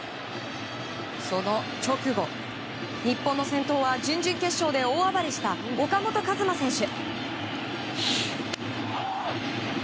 その直後、日本の先頭は準々決勝で大暴れした岡本和真選手。